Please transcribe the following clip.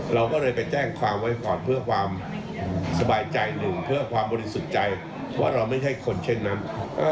เราก็เลยไปแจ้งความไว้ก่อนเพื่อความสบายใจหนึ่งเพื่อความบริสุทธิ์ใจว่าเราไม่ใช่คนเช่นนั้น